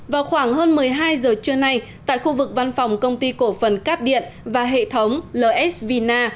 vào khoảng hơn một mươi hai giờ trưa nay tại khu vực văn phòng công ty cổ phần cáp điện và hệ thống ls vina